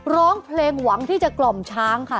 ร้องเพลงหวังที่จะกล่อมช้างค่ะ